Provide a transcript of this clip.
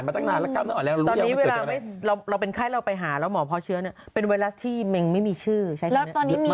ใช่ค่ะเดี๋ยวให้ดูไหม